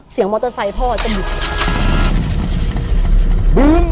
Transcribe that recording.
เสียงมอเทอร์ไซส์วันพระมันเข้าบุรรณ